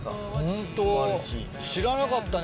ホント知らなかったね